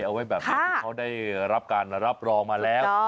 เอาไว้แบบนี้ที่เขาได้รับการรับรองมาแล้ว